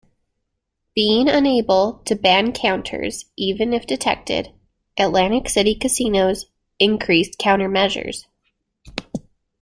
Being unable to ban counters even if detected, Atlantic City casinos increased countermeasures.